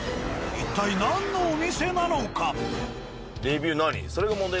一体何のお店なのか？